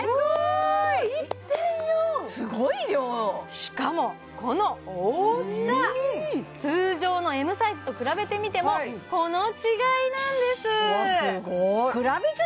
すごい量しかもこの大きさ通常のＭサイズと比べてみてもこの違いなんですいや